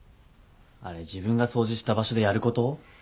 あれ自分が掃除した場所でやること？